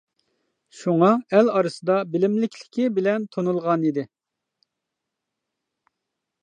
شۇڭا، ئەل ئارىسىدا بىلىملىكلىكى بىلەن تونۇلغانىدى.